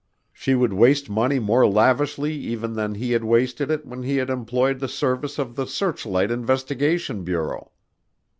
She would waste money more lavishly even than he had wasted it when he had employed the services of the Searchlight Investigation Bureau.